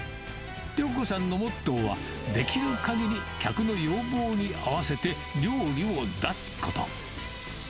亮子さんのモットーは、できるかぎり客の要望に合わせて料理を出すこと。